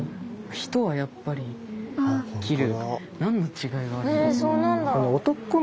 「人」はやっぱり切る。